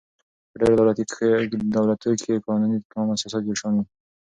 په ډېرو دولتو کښي قانوني عام اساسات یو شان يي.